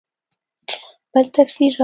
بل تصوير راغى.